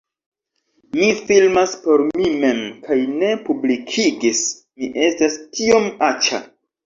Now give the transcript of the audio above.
Mi filmas por mi mem kaj ne publikigis, mi estas tiom aĉa